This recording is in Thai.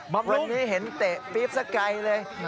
คนนี้เห็นเตะปี๊บสักไกลเลย